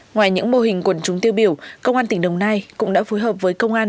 ngoài những mô hình quần chúng tiêu biểu công an tỉnh đồng nai cũng đã phối hợp với công an